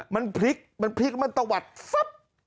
มันพลิกมันพลิกแล้วมันตะวัดฟับ